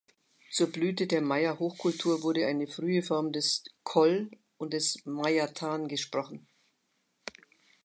Zur Blüte der Maya-Hochkultur wurde eine frühe Form des Chol und des Mayathan gesprochen.